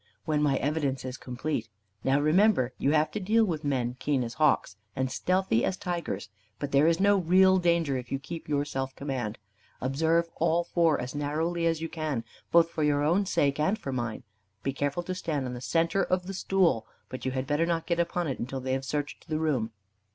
"When my evidence is completed. Now, remember, you have to deal with men keen as hawks, and stealthy as tigers. But there is no real danger, if you keep your self command. Observe all four as narrowly as you can, both for your own sake and for mine. Be careful to stand on the centre of the stool. But you had better not get upon it until they have searched the room.